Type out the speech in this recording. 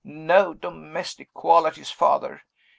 No domestic qualities, Father.